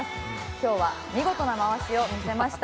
今日は見事な回しを見せました